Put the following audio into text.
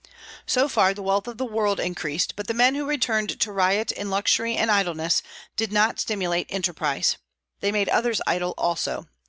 So far, the wealth of the world increased; but the men who returned to riot in luxury and idleness did not stimulate enterprise. They made others idle also.